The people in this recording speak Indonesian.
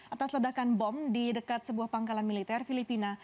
atas ledakan bom di dekat sebuah pangkalan militer filipina